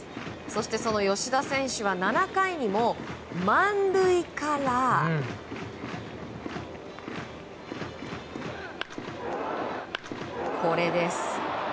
その吉田選手は８回にも満塁から、これです。